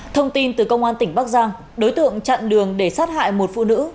thông tin từ công an tỉnh bắc giang đối tượng chặn đường để sát hại một phụ nữ